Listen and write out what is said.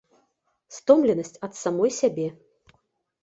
Стомленасць ад самой сябе.